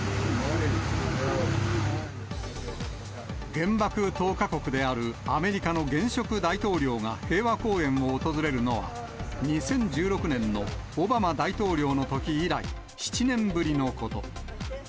原爆投下国であるアメリカの現職大統領が平和公園を訪れるのは、２０１６年のオバマ大統領のとき以来、７年ぶりのこと。